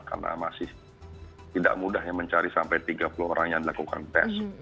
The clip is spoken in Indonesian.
karena masih tidak mudah mencari sampai tiga puluh orang yang lakukan tes